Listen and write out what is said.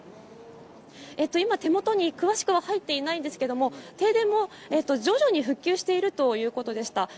今、手元に詳しくは入っていないんですけど、停電も徐々に復旧しているということでした。